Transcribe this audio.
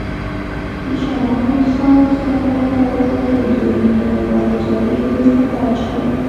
د شاه محمود خان د صدارت دوره تر دوهمې نړیوالې جګړې وروسته پیل شوه.